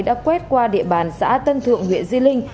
đã quét qua địa bàn xã tân thượng huyện di linh